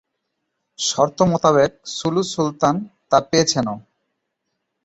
শর্ত মোতাবেক সুলু সুলতান তা পেয়েছেনও।